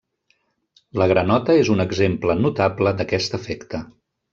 La granota és un exemple notable d'aquest efecte.